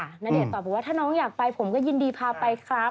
ณเดชน์ตอบบอกว่าถ้าน้องอยากไปผมก็ยินดีพาไปครับ